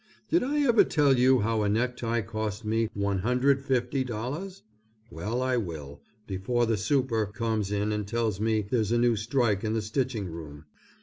Did I ever tell you how a necktie cost me $150? Well I will, before the super. comes in and tells me there's a new strike in the stitching room.